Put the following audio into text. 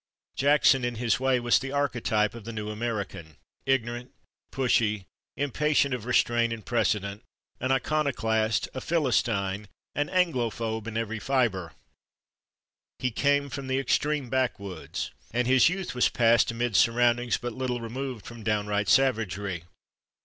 Jackson, in his way, was the archetype of the new American ignorant, pushful, impatient of restraint and precedent, an iconoclast, a Philistine, an Anglophobe in every fibre. He came from the extreme backwoods and his youth was passed amid surroundings but little removed from downright savagery.